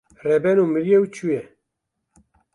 Rebeno miriye u çûye.